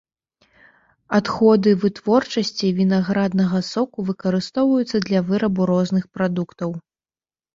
Адходы вытворчасці вінаграднага соку выкарыстоўваюцца для вырабу розных прадуктаў.